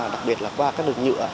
đặc biệt là qua các đường nhựa